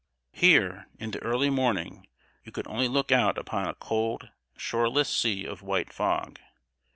Here, in the early morning, you could only look out upon a cold, shoreless sea of white fog.